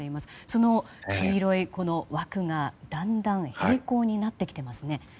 その黄色い枠がだんだん平行になってきていますね。